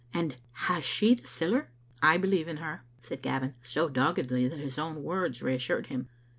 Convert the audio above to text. "And has she the siller?" "I believe in. her," said Gavin, so doggedly that his own words reassured him.